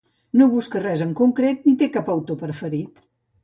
No busca res en concret ni té cap autor preferit.